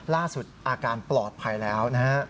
ล่าสุดอาการปลอดภัยแล้วนะฮะ